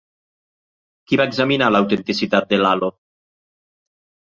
Qui va examinar l'autenticitat de l'halo?